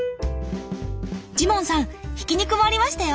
ジモンさん挽き肉もありましたよ。